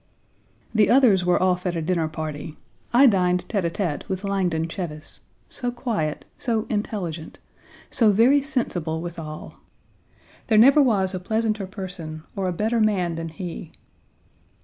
The others were off at a dinner party. I dined tête à tête with Langdon Cheves, so quiet, so intelligent, so very sensible withal. There never was a pleasanter person, or a better man than he.